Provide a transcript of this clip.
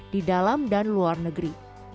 di dalam dan luar negeri